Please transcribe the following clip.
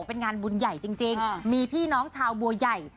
เป็นงานบุญใหญ่จริงมีพี่น้องชาวบัวใหญ่